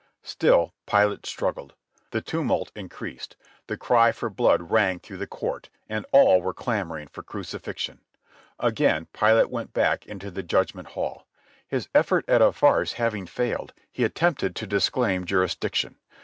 Still Pilate struggled. The tumult increased. The cry for blood rang through the court, and all were clamouring for crucifixion. Again Pilate went back into the judgment hall. His effort at a farce having failed, he attempted to disclaim jurisdiction.